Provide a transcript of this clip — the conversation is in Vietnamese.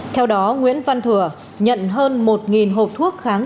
theo đó nguyễn văn thừa nhận hơn một hộp thuốc kháng